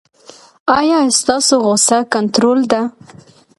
ایا ستاسو غوسه کنټرول ده؟